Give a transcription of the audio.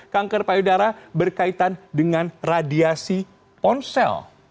kanker payudara berkaitan dengan radiasi ponsel